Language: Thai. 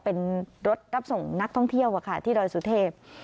เป็นรถรับส่งนักท่องเที่ยวที่ดอยสุเทพ